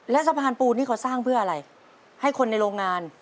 แล้วสะพานปูนี่เขาสร้างเพื่ออะไรให้คนในโรงงาน